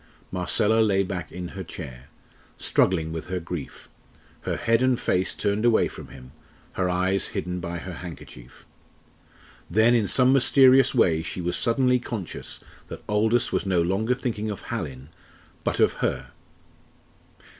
Marcella lay back in her chair, struggling with her grief, her head and face turned away from him, her eyes hidden by her handkerchief. Then in some mysterious way she was suddenly conscious that Aldous was no longer thinking of Hallin, but of her.